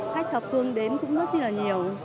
khách thập cương đến cũng rất là nhiều